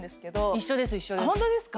一緒です一緒です。